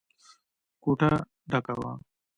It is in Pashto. کوټه ډکه وه.